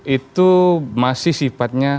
itu masih sifatnya